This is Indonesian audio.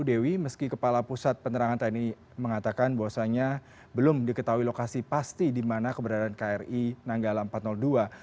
dewi meski kepala pusat penerangan tni mengatakan bahwasannya belum diketahui lokasi pasti di mana keberadaan kri nanggala empat ratus dua